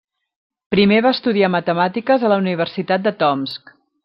Primer va estudiar matemàtiques a la Universitat de Tomsk.